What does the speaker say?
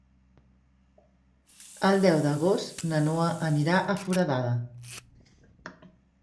El deu d'agost na Noa anirà a Foradada.